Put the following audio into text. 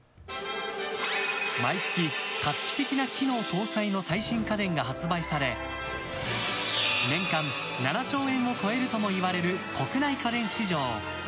毎月、画期的な機能搭載の最新家電が発売され年間７兆円を超えるともいわれる国内家電市場。